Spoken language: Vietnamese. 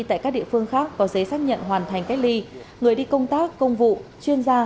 tại các địa phương khác có giấy xác nhận hoàn thành cách ly người đi công tác công vụ chuyên gia